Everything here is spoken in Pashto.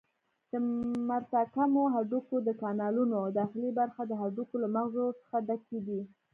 د متراکمو هډوکو د کانالونو داخلي برخه د هډوکو له مغزو څخه ډکې دي.